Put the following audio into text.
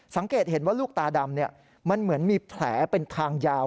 สังเกตเห็นว่าลูกตาดำมันเหมือนมีแผลเป็นทางยาว